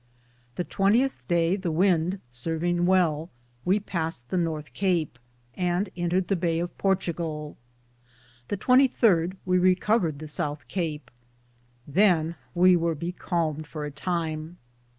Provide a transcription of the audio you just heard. The 20th Day, the wynde sarvinge well, we paste the Northe Cape, and entered the bay of Portingale. The 23 we Recovered the Soothe Cape. Than we weare becalmed for a time.